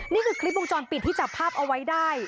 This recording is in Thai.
นี่คือคลิปวงจรปิดที่จับภาพเอาไว้ได้